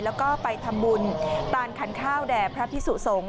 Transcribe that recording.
แล้วก็ไปทำบุญตานขันข้าวแด่พระพิสุสงฆ